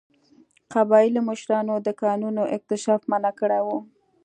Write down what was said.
قبایلي مشرانو د کانونو اکتشاف منع کړی و.